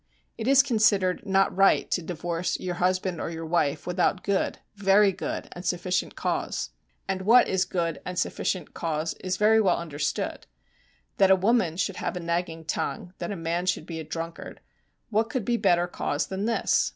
It is considered not right to divorce your husband or your wife without good very good and sufficient cause. And what is good and sufficient cause is very well understood. That a woman should have a nagging tongue, that a man should be a drunkard, what could be better cause than this?